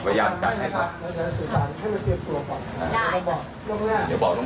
ไม่ได้นัดกันเอาเป็นห้องนี้เป็นหลัก